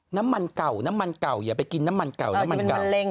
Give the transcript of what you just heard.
น้ำมันเก่าน้ำมันเก่าอย่าไปกินน้ำมันเก่าน้ำมันเก่า